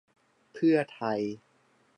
เพื่อไทย